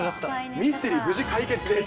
ミステリー、無事解決です。